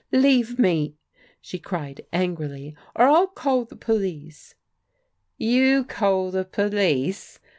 '' Leave mel" she cried aogrify, *'or 111 call the po Kce." ''You call the police!"